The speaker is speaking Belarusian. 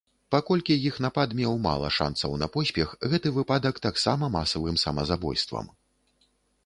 Паколькі іх напад меў мала шанцаў на поспех, гэты выпадак таксама масавым самазабойствам.